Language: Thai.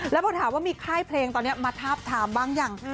แล้วพอถามว่ามีค่ายเพลงตอนนี้มาทาบทามบ้างยัง